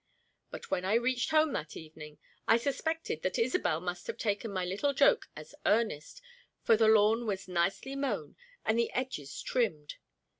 But when I reached home that evening I suspected that Isobel must have taken my little joke as earnest, for the lawn was nicely mown and the edges trimmed.